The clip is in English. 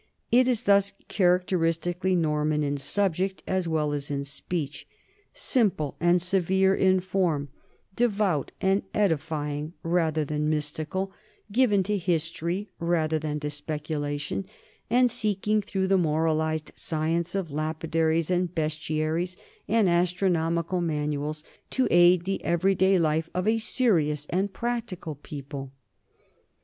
It is thus characteristically Norman in subject as well as in speech simple and severe in form, devout and 1 La literature normande avant I'annexion, p. 22. 186 NORMANS IN EUROPEAN HISTORY edifying rather than mystical, given to history rather than to speculation, and seeking through the moralized science of lapidaries and bestiaries and astronomical manuals to aid the everyday life of a serious and practi cal people.